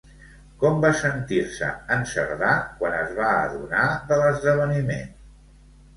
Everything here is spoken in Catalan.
Com va sentir-se en Cerdà quan es va adonar de l'esdeveniment?